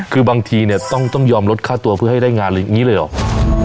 คือบางทีเนี่ยต้องยอมลดค่าตัวเพื่อให้ได้งานอย่างนี้เลยเหรอ